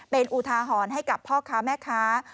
เป็นอุทาหรณ์ให้กับพ่อค้าแม่ค้า